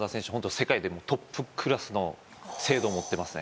世界でもトップクラスの精度を持ってますね